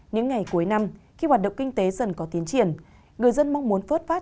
những ngày cuối năm khi hoạt động kinh tế dần có tiến triển người dân mong muốn vớt phát